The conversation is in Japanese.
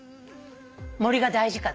森が大事か。